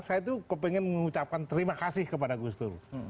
saya tuh pengen mengucapkan terima kasih kepada kusutur